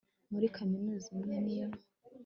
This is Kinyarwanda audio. muri kaminuza imwe niyo